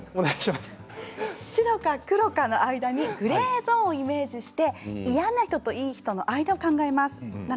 白か黒かの間にグレーゾーンをイメージして嫌な人といい人の間を考えます。